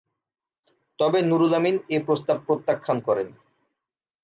তবে নুরুল আমিন এ প্রস্তাব প্রত্যাখ্যান করেন।